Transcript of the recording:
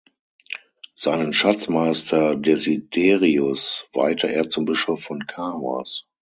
Seinen Schatzmeister Desiderius weihte er zum Bischof von Cahors.